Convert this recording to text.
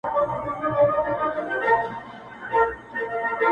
د تــورو شـرهــارۍ سـي بـــاران يــې اوري ـ